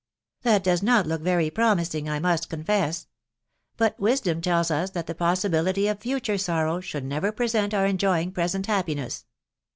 " That does not look very promising, I must confess. But wisdom tells us that the possibility of future sorrow should never prevent our esvjoying present happiness.